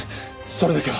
それだけは。